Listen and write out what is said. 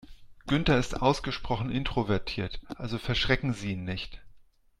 Günther ist ausgesprochen introvertiert, also verschrecken Sie ihn nicht.